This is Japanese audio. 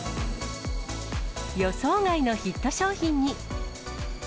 予想外のヒット商品に。